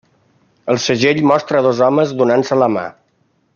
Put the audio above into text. El segell mostra a dos homes donant-se la mà.